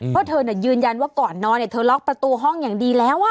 เพราะเธอยืนยันว่าก่อนนอนเธอล็อกประตูห้องอย่างดีแล้ว